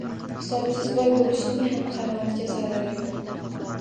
Hisobsiz boy bo'lishning ham qanoatga zarari yo'q.